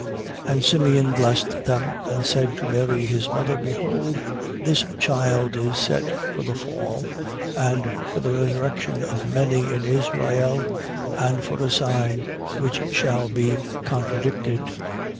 2:34. And Simeon blessed them and said to Mary his mother: Behold this child is set for the fall and for the resurrection of many in Israel and for a sign which shall be contradicted.